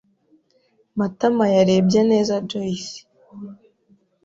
Matama yarebye neza Joyci.